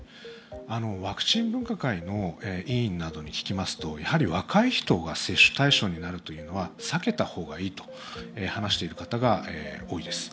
ワクチン分科会の委員などに聞きますとやはり若い人が接種対象になるのは避けたほうがいいと話している方が多いです。